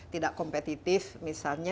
tidak kompetitif misalnya